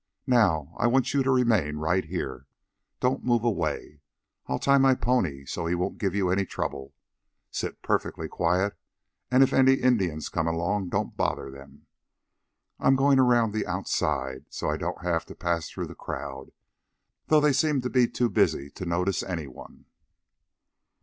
Now I want you to remain right here. Don't move away. I'll tie my pony so he won't give you any trouble. Sit perfectly quiet, and if any Indians come along don't bother them. I'm going around the outside, so I don't have to pass through the crowd, though they seem too busy to notice anyone."